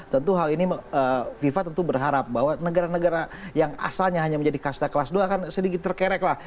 tentu hal ini fifa tentu berharap bahwa negara negara yang asalnya hanya menjadi kasta kelas dua akan sedikit terkerek lah